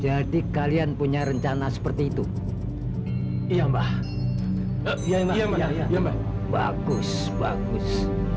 jadi kalian punya rencana seperti itu iya mbah iya iya iya iya bagus bagus